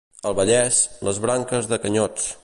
Al Vallès, les branques de canyots.